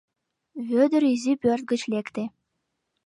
Вӧдыр изи пӧрт гыч лекте.